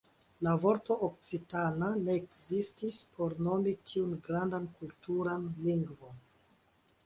La vorto "okcitana" ne ekzistis por nomi tiun grandan kulturan lingvon.